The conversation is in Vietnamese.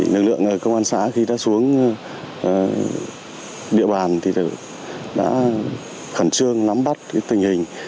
lực lượng công an xã khi đã xuống địa bàn thì đã khẩn trương nắm bắt tình hình